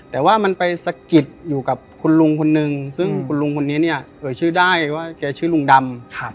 แต่ว่ามันไปสะกิดอยู่กับคุณลุงคนนึงซึ่งคุณลุงคนนี้เนี่ยเอ่ยชื่อได้ว่าแกชื่อลุงดำ